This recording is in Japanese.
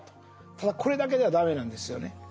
ただこれだけでは駄目なんですよね。